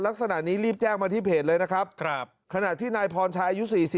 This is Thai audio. ลักษณะนี้รีบแจ้งมาที่เพจเลยนะครับขณะที่นายพรชัยอายุ๔๐